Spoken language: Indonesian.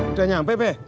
udah nyampe be